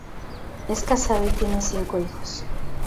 Es casado y tiene cinco hijos.